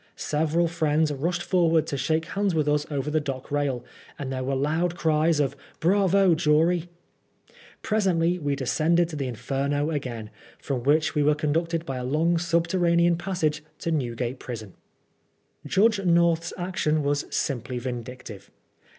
Several friends rushed forward to shake hands with us over the dock rail, and there were loud cries of " Bravo, jury I" Presently we descended to the Inferno again, from which we were conducted by a long subterranean passage to Newgate prison. Judge North's action was simply vindictive.